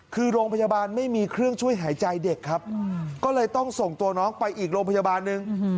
คือโรงพยาบาลไม่มีเครื่องช่วยหายใจเด็กครับก็เลยต้องส่งตัวน้องไปอีกโรงพยาบาลหนึ่ง